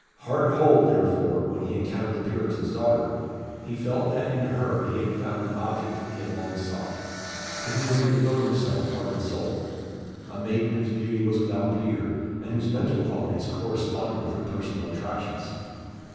Heart whole, therefore, when he encountered the Puritan's daughter, he felt that in her he had found an object he had long sought, to whom he could devote himself heart and soul; a maiden whose beauty was without peer, and whose mental qualities corresponded with her personal attractions.